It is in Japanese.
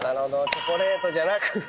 チョコレートじゃなくて。